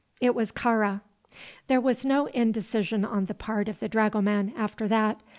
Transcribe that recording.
It was Kāra. There was no indecision on the part of the dragoman after that.